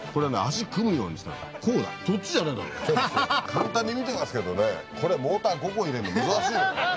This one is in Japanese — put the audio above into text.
簡単に見てますけどねこれモーター５個入れるの難しいのよ。